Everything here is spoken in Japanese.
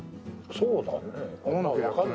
そうだね。